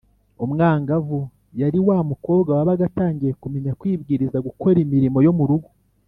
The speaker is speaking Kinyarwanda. umwangavu yari wa mukobwa wabaga atangiye kumenya kwibwiriza gukora imirimo yo mu rugo